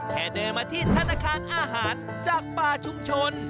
แค่เดินมาที่ธนาคารอาหารจากป่าชุมชน